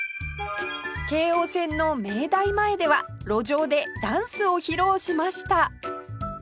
京王線の明大前では路上でダンスを披露しました